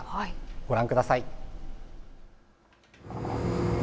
ご覧ください。